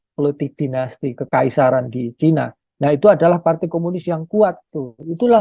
politik dinasti kekaisaran di cina nah itu adalah partai komunis yang kuat tuh itulah